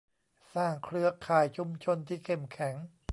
สร้างเครือข่ายชุมชนที่เข้มแข็ง